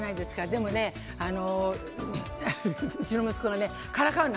でもね、うちの息子がからかうの。